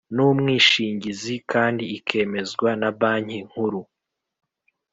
N umwishingizi kandi ikemezwa na banki nkuru